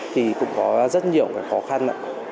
thì cũng có rất nhiều khó khăn